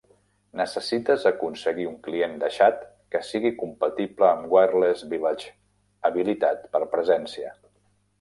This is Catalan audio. Necessites aconseguir un client de xat que sigui "compatible amb Wireless Village habilitat per presència".